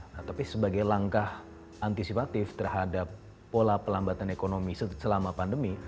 nah tapi sebagai langkah antisipatif terhadap pola pelambatan ekonomi selama pandemi